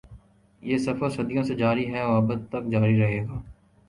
یہ سفر صدیوں سے جاری ہے اور ابد تک جاری رہے گا۔